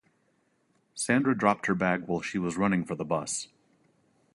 Sandra dropped her bag while she was running for the bus.